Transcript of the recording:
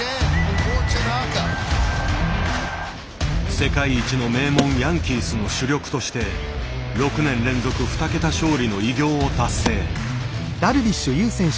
世界一の名門ヤンキースの主力として６年連続２桁勝利の偉業を達成。